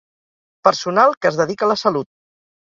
Personal que es dedica a la salut.